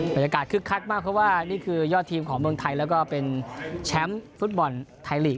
คึกคักมากเพราะว่านี่คือยอดทีมของเมืองไทยแล้วก็เป็นแชมป์ฟุตบอลไทยลีก